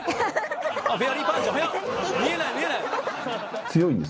見えない見えない。